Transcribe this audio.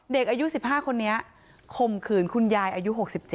เด็กอายุ๑๕คนนี้ข่มขืนคุณยายอายุ๖๗